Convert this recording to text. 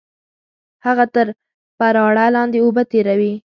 هغه تر پراړه لاندې اوبه تېروي